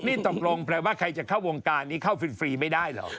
นี่ตกลงแปลว่าใครจะเข้าวงการนี้เข้าฟรีไม่ได้เหรอ